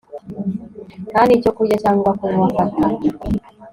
nta nicyo kurya cyangwa kunywa afata